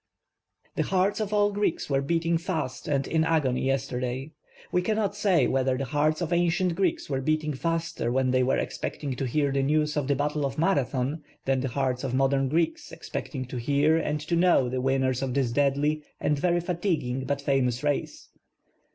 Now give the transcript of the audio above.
The hearts of all Greeks were beating fast and in agony yes terday. We cannot say whether the heirts of ancient Greeks were beating faster when they were expecting to hear the news nf the battle of Marathon than the hearts of modern Greeks ex jiecting to hear and to know the winner of this deadly and very fatiguing but famous race.